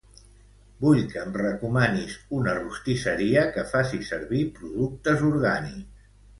Vull que em recomanis una rostisseria que faci servir productes orgànics.